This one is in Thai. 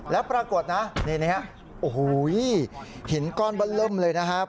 แล้วปรากฏนะนี่หินก้อนบ้านเริ่มเลยนะครับ